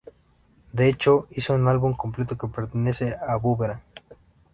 De hecho hice un álbum completo que pertenece a "Boomerang".